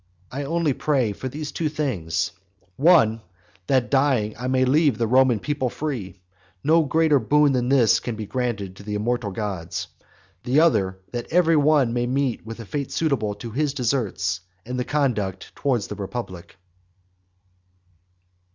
I only pray for these two things: one, that dying I may leave the Roman people free. No greater boon than this can be granted me by the immortal gods. The other, that every one may meet with a fate suitable to his deserts and conduct towards the republic.